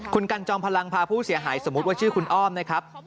คุณกันจอมพลังพาผู้เสียหายสมมุติว่าชื่อคุณอ้อมนะครับ